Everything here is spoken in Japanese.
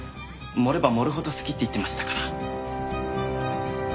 盛れば盛るほど好きって言ってましたから。